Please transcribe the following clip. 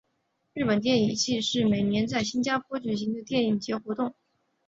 日本电影祭是每年在新加坡所举行的电影节活动。